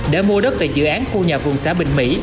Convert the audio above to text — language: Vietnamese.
đã mua đất tại dự án khu nhà vùng xã bình mỹ